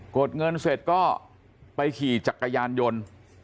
ดเงินเสร็จก็ไปขี่จักรยานยนต์